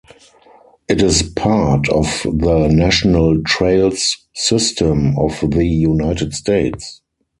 It is part of the National Trails System of the United States.